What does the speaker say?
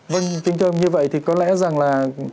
vâng tình thương như vậy thì có lẽ rằng là